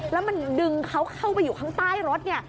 แล้วมันดึงเขาเข้าไปอยู่ข้างใต้รถเนี่ย